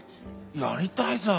やりたいさ！